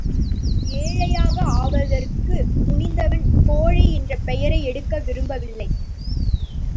ஏழையாக ஆவதற்குத் துணிந்தவன் கோழை என்ற பெயரை எடுக்க விரும்பவில்லை.